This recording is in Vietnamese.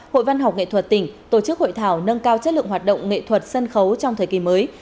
hội văn học nghệ thuật tỉnh tổ chức hội thảo nâng cao chất lượng hoạt động nghệ thuật sân khấu trong thời kỳ mới